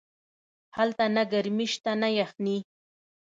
هلته نه گرمي سته نه يخني.